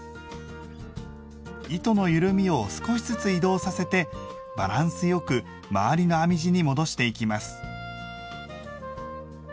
糸のゆるみを少しずつ移動させてバランスよく周りの編み地に戻していきます。